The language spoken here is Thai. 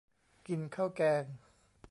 กินข้าวแกง